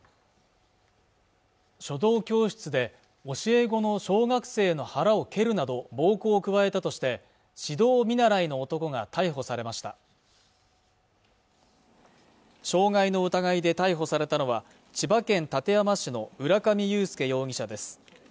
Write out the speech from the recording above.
書道教室で教え子の小学生の腹を蹴るなど暴行を加えたとして指導見習いの男が逮捕されました傷害の疑いで逮捕されたのは千葉県館山市の浦上裕介容疑者です